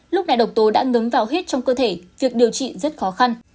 lúc này độc tố đã ngấm vào hết trong cơ thể việc điều trị rất khó khăn